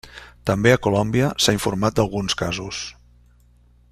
També a Colòmbia s'ha informat d'alguns casos.